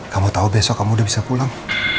kamu tahu besok kamu udah bisa pulang